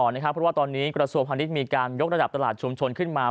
เพราะว่าตอนนี้กระทรวงพาณิชย์มีการยกระดับตลาดชุมชนขึ้นมา